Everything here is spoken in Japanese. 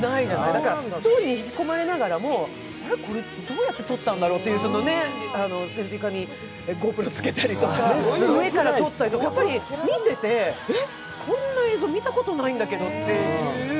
だからストーリーに引き込まれながらもこれ、どうやって撮ったんだろうとかって潜水艦にＧｏＰｒｏつけたりとか、上から撮ったりとか、やっぱり見てて、えっこんな映像見たことないんだけどっていう。